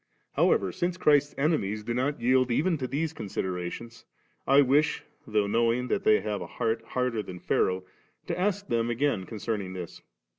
However, since Christ's enemies do not yield even to these considerations, I wish, though knowing that they have a heart harder than Pharaoh, to ask them again concerning this.